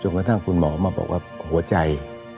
จนไฟตางคุณหมอมาออกว่ะหัวใจ